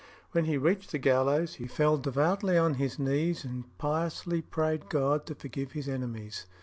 When he reached the gallows, he fell devoutly on his knees and piously prayed God to forgive his enemies.